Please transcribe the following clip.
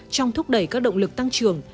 trong thúc đẩy các động lực tăng trưởng